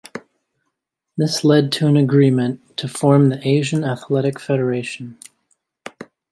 This led to an agreement to form the Asian Athletic Federation.